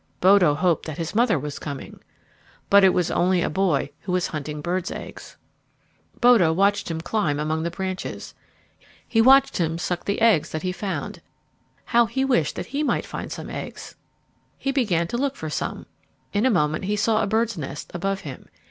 Bodo hoped that his mother was coming. But it was only a boy who was hunting birds' eggs. Bodo watched him climb among the branches. [Illustration: "It was only a boy who was hunting birds' eggs"] He watched him suck the eggs that he found. How he wished that he might find some eggs! He began to look for some. In a moment he saw a bird's nest above him.